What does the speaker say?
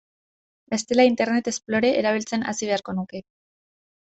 Bestela, Internet Explorer erabiltzen hasi beharko nuke.